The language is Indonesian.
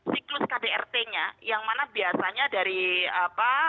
siklus kdrt nya yang mana biasanya dari apa